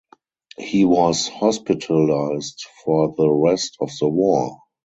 He was hospitalized for the rest of the war.